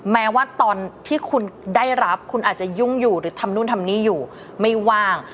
แม้ว่าตอนที่คุณได้รับคุณอาจจะยุ่งอยู่หรือทำนู่นทำนี่อยู่ไม่ว่าง